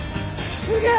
すげえ！